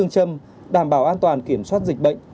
cho toàn kiểm soát dịch bệnh